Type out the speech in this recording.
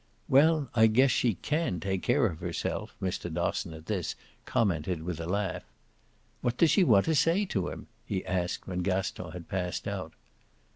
"Well, I guess she CAN take care of herself!" Mr. Dosson, at this, commented with a laugh. "What does she want to say to him?" he asked when Gaston had passed out.